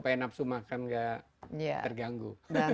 supaya nafsu makan nggak terganggu